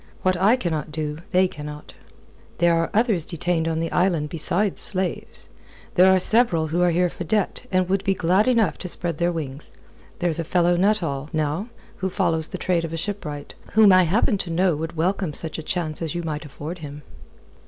What I cannot do, they cannot." "There are others detained on the island besides slaves. There are several who are here for debt, and would be glad enough to spread their wings. There's a fellow Nuttall, now, who follows the trade of a shipwright, whom I happen to know would welcome such a chance as you might afford him."